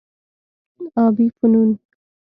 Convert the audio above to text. ابي فنون